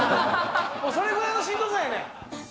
それぐらいのしんどさやねん。